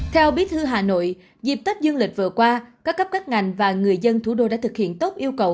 theo bí thư hà nội dịp tết dương lịch vừa qua các cấp các ngành và người dân thủ đô đã thực hiện tốt yêu cầu